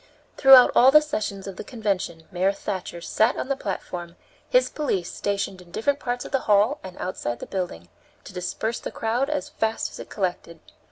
Through all the sessions of the convention Mayor Thatcher sat on the platform, his police stationed in different parts of the hall and outside the building, to disperse the crowd as fast as it collected.